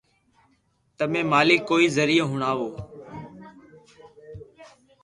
تمي مالڪ ڪوئي زريعو ھڻاوہ